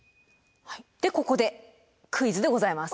でここでクイズでございます。